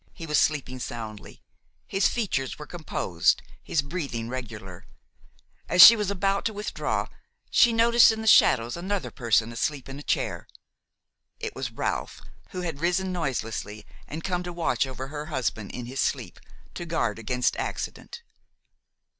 He was sleeping soundly; his features were composed, his breathing regular. As she was about to withdraw, she noticed in the shadows another person asleep in a chair. It was Ralph, who had risen noiselessly and come to watch over her husband in his sleep, to guard against accident.